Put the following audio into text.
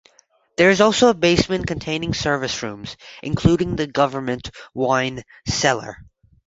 There is also a basement containing service rooms, including the government wine cellar.